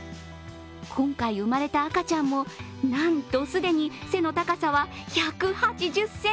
今回生まれた赤ちゃんも、なんと既に背の高さは１８０ｃｍ。